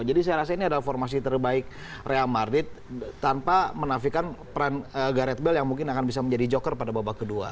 jadi saya rasa ini adalah formasi terbaik real madrid tanpa menafikan peran gareth bale yang mungkin akan bisa menjadi joker pada babak kedua